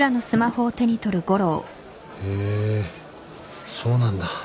へそうなんだ。